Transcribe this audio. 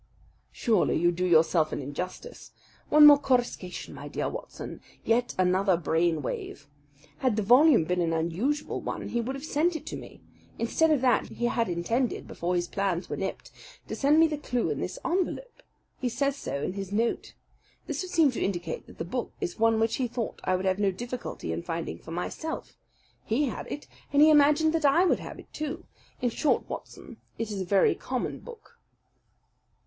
"Surely you do yourself an injustice. One more coruscation, my dear Watson yet another brain wave! Had the volume been an unusual one, he would have sent it to me. Instead of that, he had intended, before his plans were nipped, to send me the clue in this envelope. He says so in his note. This would seem to indicate that the book is one which he thought I would have no difficulty in finding for myself. He had it and he imagined that I would have it, too. In short, Watson, it is a very common book."